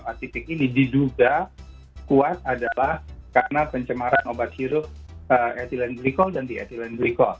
penyebab atipik ini diduga kuat adalah karena pencemaran obat sirup etilen glikol dan dietilen glikol